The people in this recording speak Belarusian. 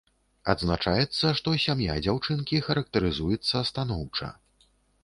Адзначаецца, што сям'я дзяўчынкі характарызуецца станоўча.